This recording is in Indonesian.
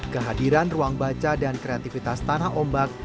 kehadiran ruang baca dan kreativitas tanah ombak